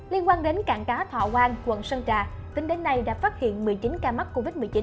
liên quan đến cảng cá thọ quang quận sơn trà tính đến nay đã phát hiện một mươi chín ca mắc covid một mươi chín